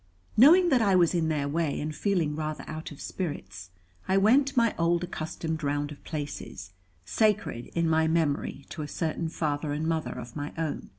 Knowing that I was in their way, and feeling rather out of spirits, I went my old accustomed round of places, sacred in my memory to a certain father and mother of my own.